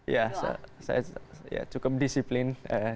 ya saya cukup disiplin